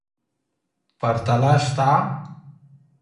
پرتله سته.